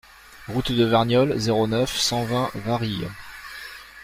Route de Verniolle, zéro neuf, cent vingt Varilhes